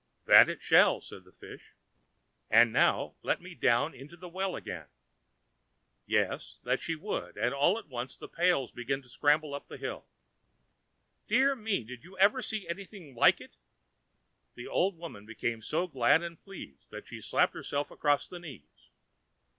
"That it shall," said the fish. "And now, let me down into the well again." Yes, that she would, and all at once the pails began to shamble up the hill. "Dear me, did you ever see anything like it?" The old woman became so glad and pleased that she slapped herself across the knees.